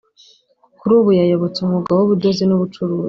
Kuri ubu yayobotse umwuga w’ubudozi n’ubucuruzi